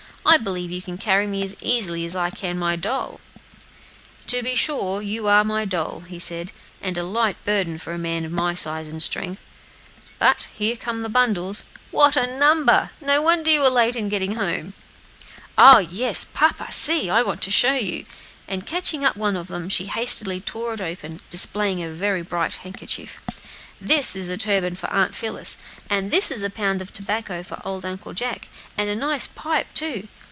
"I believe you can carry me as easily as I can my doll." "To be sure; you are my doll," said he, "and a very light burden for a man of my size and strength. But here come the bundles! what a number! no wonder you were late in getting home." "Oh! yes, papa see! I want to show you!" and catching up one of them, she hastily tore it open, displaying a very gay handkerchief. "This is a turban for Aunt Phillis; and this is a pound of tobacco for old Uncle Jack, and a nice pipe, too.